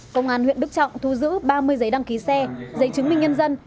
công an huyện đức trọng thu giữ ba mươi giấy đăng ký xe giấy chứng minh nhân dân